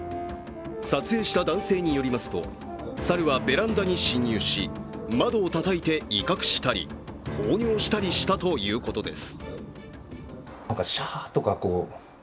撮影した男性によりますと、猿はベランダに侵入し、窓をたたいて威嚇したり放尿したりしたということです。